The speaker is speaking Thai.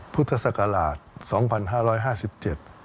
พุทธศักราช๒๕๕๗